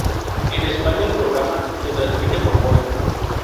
En España, el programa se transmite por Boing.